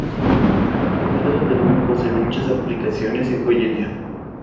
Es un arbusto perenne o pequeño que no excede de un metro de altura.